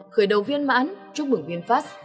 khởi đầu viên mãn chúc mừng vinfast